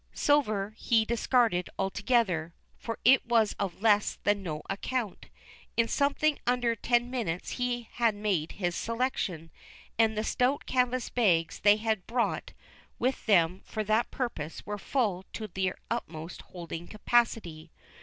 Silver he discarded altogether, for it was of less than no account. In something under ten minutes he had made his selection, and the stout canvas bags they had brought with them for that purpose were full to their utmost holding capacity.